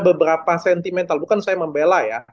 beberapa sentimental bukan saya membela ya